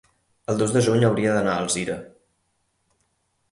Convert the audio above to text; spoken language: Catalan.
El dos de juny hauria d'anar a Alzira.